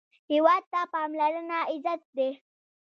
هېواد ته پاملرنه عزت دی